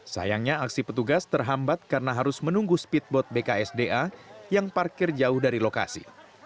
sayangnya aksi petugas terhambat karena harus menunggu speedboat bksda yang parkir jauh dari lokasi